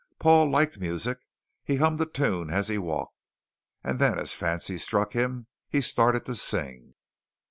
Paul liked music. He hummed a tune as he walked, and then as the fancy struck him, he started to sing.